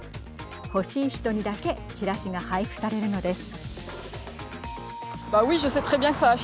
欲しい人にだけチラシが配布されるのです。